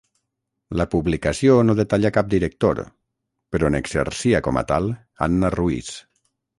La publicació no detalla cap director, però n'exercia com a tal Anna Ruiz.